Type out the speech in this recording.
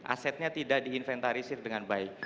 asetnya tidak diinventarisir dengan baik